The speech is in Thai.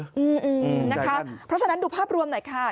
เพราะฉะนั้นดูภาพรวมหน่อยค่ะ